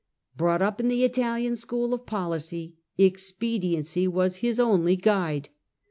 Brought up in the Italian school of policy, expediency was his only guide.